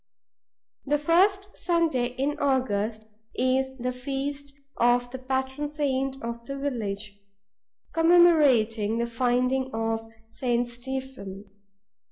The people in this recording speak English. The first Sunday in August is the feast of the patron saint of the village, commemorating the Finding of St. Stephen.